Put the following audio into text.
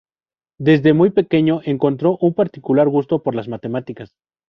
Desde muy pequeño encontró un particular gusto por las matemáticas.